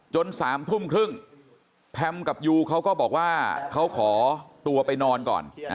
๓ทุ่มครึ่งแพมกับยูเขาก็บอกว่าเขาขอตัวไปนอนก่อน